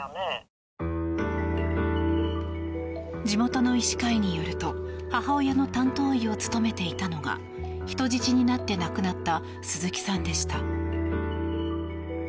地元の医師会によると母親の担当医を務めていたのが人質になって亡くなった鈴木さんでした。